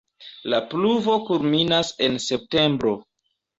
La pluvo kulminas en septembro.